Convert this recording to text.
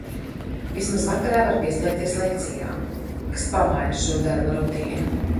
Vismaz vakarā var pieslēgties lekcijām, kas pamaina šo darba rutīnu.